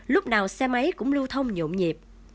lúc nào xe máy cũng lưu thông nhộn nhịp